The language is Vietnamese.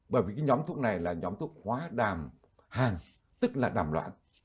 bởi vì cái nhóm thuốc này là nhóm thuốc hóa đàm hàng tức là đàm loãng